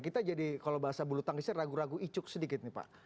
kita jadi kalau bahasa bulu tangisnya ragu ragu icuk sedikit nih pak